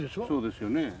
そうですよね。